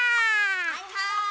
・はいはい！